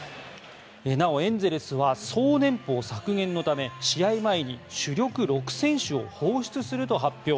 なお、エンゼルスは総年俸削減のため試合前に主力６選手を放出すると発表。